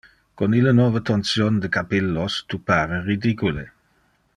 Con ille nove tonsion de capillos tu pare ridicule.